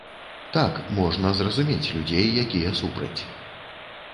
Так, можна зразумець людзей, якія супраць.